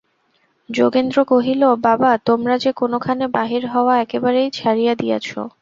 যোগেন্দ্র কহিল, বাবা, তোমরা যে কোনোখানে বাহির হওয়া একেবারেই ছাড়িয়া দিয়াছ।